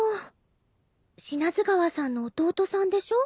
不死川さんの弟さんでしょ？